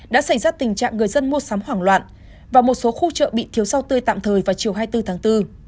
đã xảy ra tình trạng người dân mua sắm hoảng loạn và một số khu chợ bị thiếu rau tươi tạm thời vào chiều hai mươi bốn tháng bốn